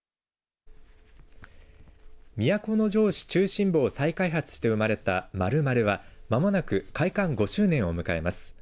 都城市中心部を再開発して生まれたＭａｌｌｍａｌｌはまもなく開館５周年を迎えます。